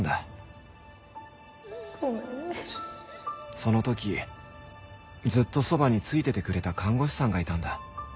その時ずっとそばについててくれた看護師さんがいたんだ。